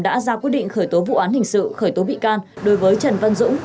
đã ra quyết định khởi tố vụ án hình sự khởi tố bị can đối với trần văn dũng